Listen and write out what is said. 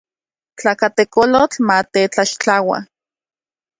Tlakatekolotl matetlaxtlaua.